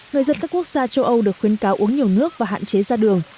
người dân các quốc gia châu âu được khuyến cáo uống nhiều nước và hạn chế ra đường